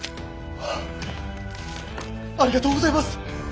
ありがとうございます！